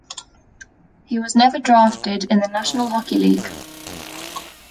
He was never drafted in the National Hockey League.